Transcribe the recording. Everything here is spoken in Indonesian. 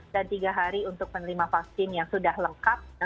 dan tiga hari untuk penerima vaksin yang sudah lengkap